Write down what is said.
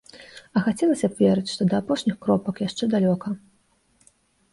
А хацелася б верыць, што да апошніх кропак яшчэ далёка.